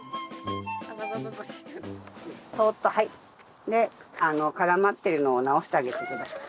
そっとはい絡まってるのを直してあげてください。